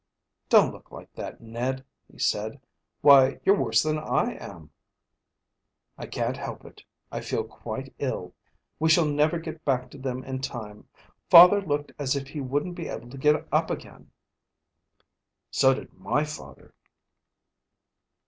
"Don't look like that, Ned," he said. "Why, you're worse than I am." "I can't help it. I feel quite ill. We shall never get back to them in time. Father looked as if he wouldn't be able to get up again." "So did my father.